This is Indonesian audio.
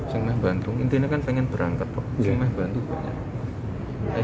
saya hanya bantu intinya kan ingin berangkat saya hanya bantu banyak